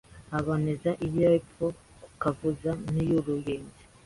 aboneza iy’epfo ku Kavuza n’Uruyenzi